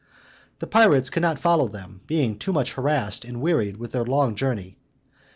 The pirates could not follow them, being too much harassed and wearied with their long journey.